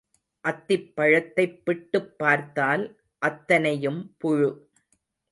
அத்திப் பழத்தைப் பிட்டுப் பார்த்தால் அத்தனையும் புழு.